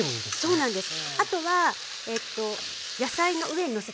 そうなんです。